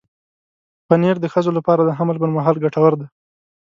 پنېر د ښځو لپاره د حمل پر مهال ګټور دی.